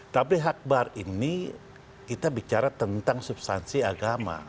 tapi akbar ini kita bicara tentang substansi agama